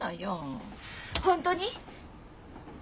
本当に？